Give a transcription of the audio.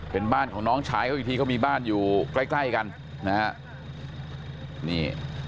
เป็นบ้านของน้องชายเขาอีกทีเขามีบ้านอยู่ใกล้ใกล้กันนะฮะนี่